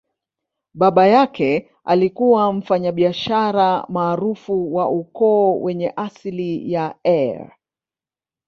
Baba yake alikuwa mfanyabiashara maarufu wa ukoo wenye asili ya Eire.